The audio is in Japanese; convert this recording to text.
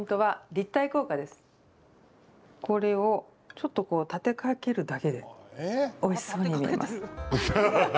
これを、ちょっとこう立てかけるだけでおいしそうに見えます。